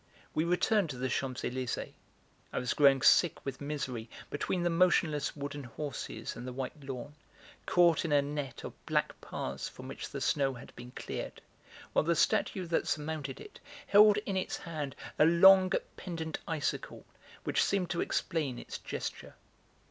We returned to the Champs Elysées; I was growing sick with misery between the motionless wooden horses and the white lawn, caught in a net of black paths from which the snow had been cleared, while the statue that surmounted it held in its hand a long pendent icicle which seemed to explain its gesture.